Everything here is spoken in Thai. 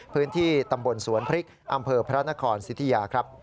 พื้นที่ตำบลสวนพริกอำเภอพระนครสิทธิยาครับ